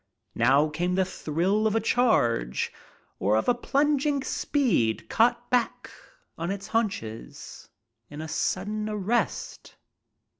Now came the thrill of a charge, 01 oi a plunging steed caught hack 00 its haunches in | Mid den arrest.